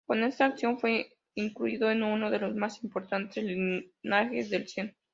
Con esta acción, fue incluido en uno de los más importantes linajes del Zen.